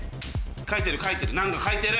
書いてる書いてるなんか書いてる！